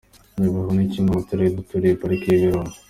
Nyabihu ni kamwe mu turere duturiye Parike y’ibirunga.